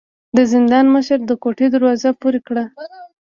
د زندان مشر د کوټې دروازه پورې کړه.